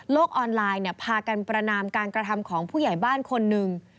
ออนไลน์พากันประนามการกระทำของผู้ใหญ่บ้านคนหนึ่ง